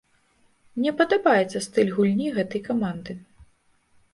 Мне падабаецца стыль гульні гэтай каманды.